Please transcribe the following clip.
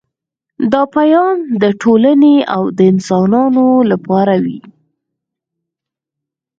دا پیام د ټولنې او انسانانو لپاره وي